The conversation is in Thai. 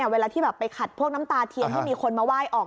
เวลาที่แบบไปขัดพวกน้ำตาเทียนที่มีคนมาไหว้ออก